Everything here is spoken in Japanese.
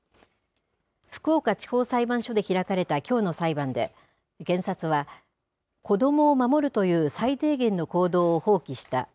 福岡地方裁判所で開かれたきょうの裁判で、検察は、子どもを守るという最低限の行動を放棄した。